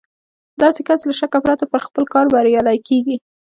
داسې کس له شکه پرته په خپل کار بريالی کېږي.